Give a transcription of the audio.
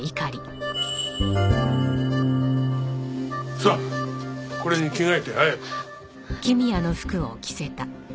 さあこれに着替えて早く。